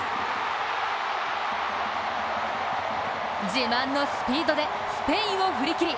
自慢のスピードでスペインを振り切り